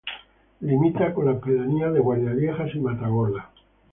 Limita con las pedanías de Guardias Viejas y Matagorda.